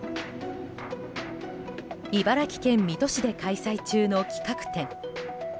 茨城県水戸市で開催中の企画展。